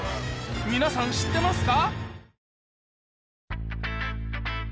皆さん知ってますか？